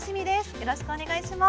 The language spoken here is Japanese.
よろしくお願いします。